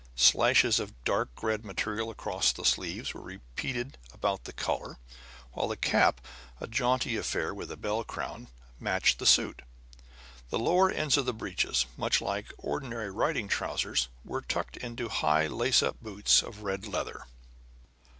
Slashes of dark red material across the sleeves were repeated about the collar, while the cap, a jaunty affair with a bell crown, matched the suit. The lower ends of the breeches, much like ordinary riding trousers, were tucked into high lace up boots of red leather.